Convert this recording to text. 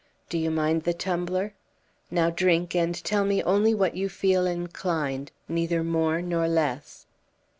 Do you mind the tumbler? Now drink, and tell me only what you feel inclined, neither more nor less."